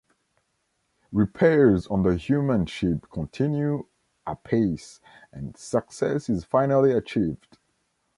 Repairs on the human ship continue apace, and success is finally achieved.